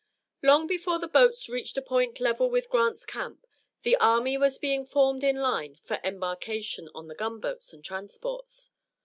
Long before the boats reached a point level with Grant's camp the army was being formed in line for embarkation on the gunboats and transports.